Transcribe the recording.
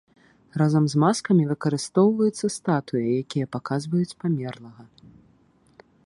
Разам з маскамі выкарыстоўваюцца статуі, якія паказваюць памерлага.